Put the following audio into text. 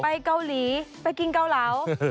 ไปเกาหลีไปกินเกาเหลา